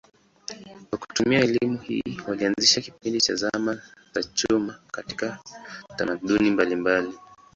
Kwa kutumia elimu hii walianzisha kipindi cha zama za chuma katika tamaduni mbalimbali.